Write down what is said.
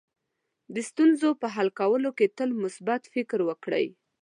د ستونزو په حل کولو کې تل مثبت فکر وکړئ.